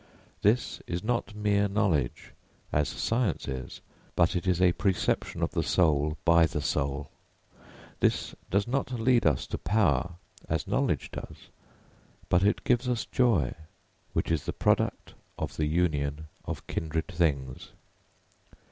This is not mere knowledge, as science is, but it is a preception of the soul by the soul. This does not lead us to power, as knowledge does, but it gives us joy, which is the product of the union of kindred things.